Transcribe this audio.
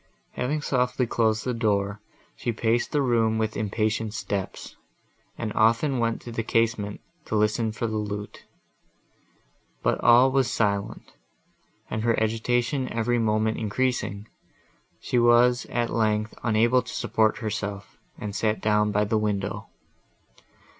Having softly closed the door, she paced the room with impatient steps, and often went to the casement to listen for the lute; but all was silent, and, her agitation every moment increasing, she was at length unable to support herself, and sat down by the window.